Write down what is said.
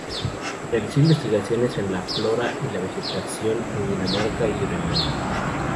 Realizó investigaciones de la flora y la vegetación en Dinamarca, y Groenlandia.